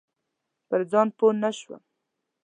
په ځان پوی نه شوم.